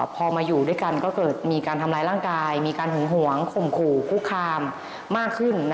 พอมาอยู่ด้วยกันก็เกิดมีการทำร้ายร่างกายมีการหึงหวงข่มขู่คุกคามมากขึ้น